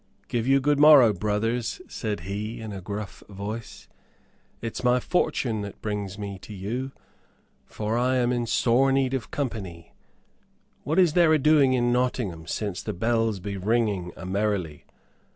"Give you good morrow, brothers," said he, in a gruff voice. "It's my fortune that brings me to you, for I am in sore need of company. What is there a doing in Nottingham since the bells be ringing a merrily?